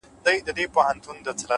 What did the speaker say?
پرمختګ د ننني اقدام محصول دی’